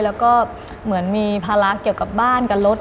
แล้วก็เหมือนมีภาระเกี่ยวกับบ้านกับรถ